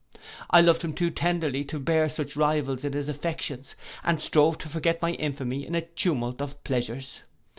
I loved him too tenderly to bear such rivals in his affections, and strove to forget my infamy in a tumult of pleasures.